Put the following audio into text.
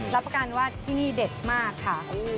รับประกันว่าที่นี่เด็ดมากค่ะ